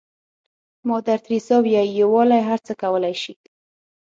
مادر تریسا وایي یووالی هر څه کولای شي.